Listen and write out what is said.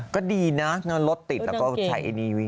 ก็ดีนะเราก็รถติดแล้วก็ไฉนีวิค